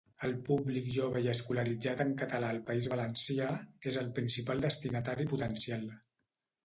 El públic jove i escolaritzat en català al País Valencià és el principal destinatari potencial.